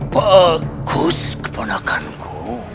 bagus keponakan ku